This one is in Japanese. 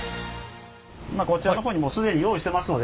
こちらの方にもう既に用意してますので。